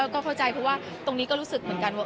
ก็เข้าใจเพราะว่าตรงนี้ก็รู้สึกเหมือนกันว่า